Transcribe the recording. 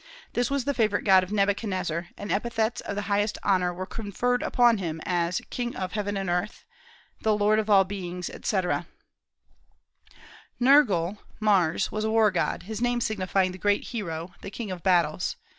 This was the favorite god of Nebuchadnezzar, and epithets of the highest honor were conferred upon him, as "King of heaven and earth," the "Lord of all beings," etc. Nergal (Mars) was a war god, his name signifying "the great Hero," "the King of battles."